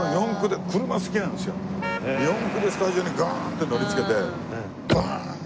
四駆でスタジオにガーンって乗りつけてバーン！